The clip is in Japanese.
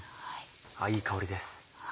あっいい香りです。